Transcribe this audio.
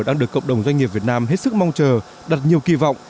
đang được cộng đồng doanh nghiệp việt nam hết sức mong chờ đặt nhiều kỳ vọng